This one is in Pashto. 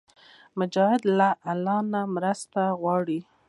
مجاهد له الله مرسته غواړي.